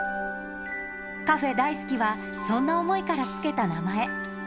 カフェ大好きは、そんな想いから付けた名前。